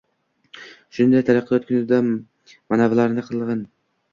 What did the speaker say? Shunday taraqqiyot kunida manavilarni qilig‘ini!»